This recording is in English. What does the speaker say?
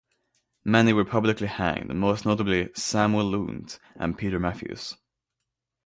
Many were publicly hanged, most notably Samuel Lount and Peter Matthews.